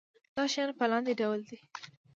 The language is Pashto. دا شیان په لاندې ډول دي.